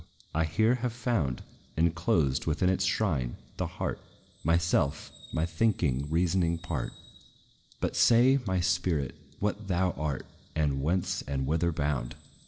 I here have found, Enclosed within its shrine, the heart, Myself, my thinking, reasoning part: But say, my spirit, what thou art, And whence, and whither bound!